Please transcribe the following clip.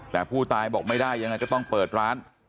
แต่ผู้ตายบอกไม่ได้อย่างนั้นจะต้องเปิดร้าน